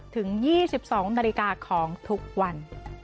ถึง๒๒นาฬิกาของทุกวัน